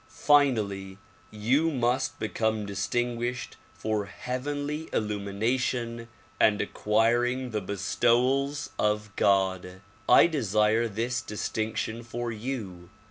Finally, you must become distinguished for heavenly illumination and acquiring the bestowals of God. I desire this distinction for you.